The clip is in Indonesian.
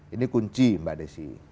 ini kunci mbak desi